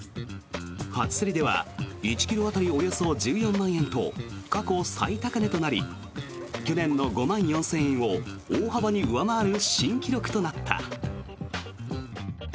初競りでは１ｋｇ当たりおよそ１４万円と過去最高値となり去年の５万４０００円を大幅に上回る新記録となった。